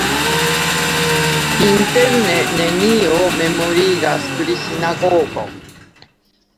Interne nenio memorigas pri sinagogo.